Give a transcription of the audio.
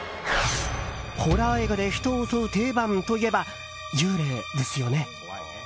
ホラー映画で人を襲う定番といえば幽霊ですよね。